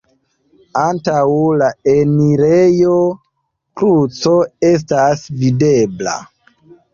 Antaŭ la enirejo kruco estas videbla.